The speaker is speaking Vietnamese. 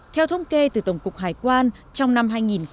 theo thông kê từ tổng cục hải quan trong năm hai nghìn một mươi tám